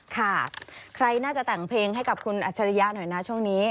ค่ะใครน่าจะแต่งเพลงให้กับคุณอัจฉริยะหน่อยนะช่วงนี้